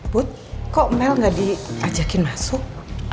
but kok mel gak diajakin masuk